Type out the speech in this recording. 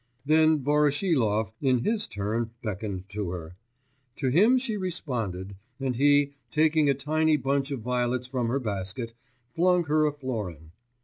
Then Voroshilov in his turn beckoned to her. To him she responded, and he, taking a tiny bunch of violets from her basket, flung her a florin.